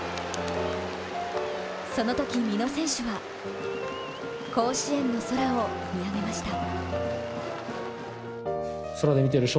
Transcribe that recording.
そのとき美濃選手は甲子園の空を見上げました。